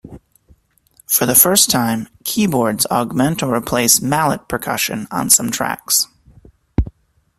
For the first time, keyboards augment or replace mallet percussion on some tracks.